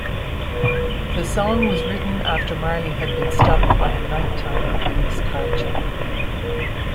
The song was written after Marley had been stopped by a night-time police carcheck.